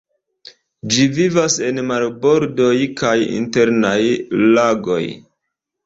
Ĝi vivas en marbordoj kaj internaj lagoj.